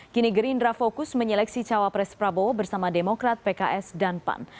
kini gerindra fokus menyeleksi cawapres prabowo bersama demokrat pks dan pan